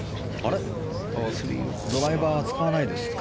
ドライバーは使わないですか。